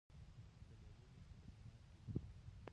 د لیلی دښته په شمال کې ده